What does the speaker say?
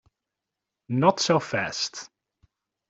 Not so fast.